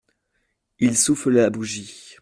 Il souffle la bougie.